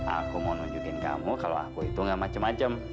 aku mau nunjukin kamu kalau aku itu gak macem macem